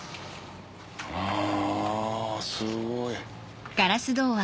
あすごい。